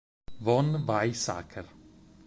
Von Weizsäcker